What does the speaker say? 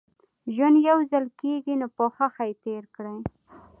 ژوند يوځل کېږي نو په خوښۍ يې تېر کړئ